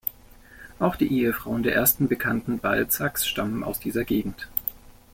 Auch die Ehefrauen der ersten bekannten Balzacs stammen aus dieser Gegend.